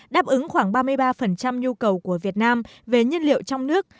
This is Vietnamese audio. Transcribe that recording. đáp ứng khoảng ba mươi ba nhu cầu của việt nam về nhân liệu trong nước